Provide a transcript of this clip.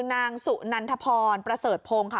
มมนันทภรประเสริฐพลงค่ะ